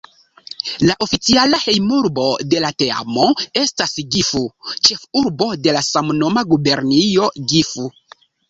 La oficiala hejmurbo de la teamo estas Gifu, ĉefurbo de la samnoma gubernio Gifu.